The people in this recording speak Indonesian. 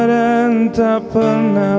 dan tak pernah